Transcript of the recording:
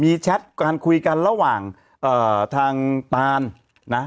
มีแชทการคุยกันระหว่างทางตานนะ